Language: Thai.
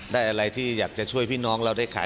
ได้อะไรที่อยากจะช่วยพี่น้องเราได้ขาย